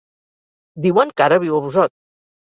Diuen que ara viu a Busot.